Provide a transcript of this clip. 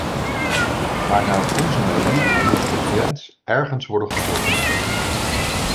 Maar naar onze mening moet de grens ergens worden getrokken.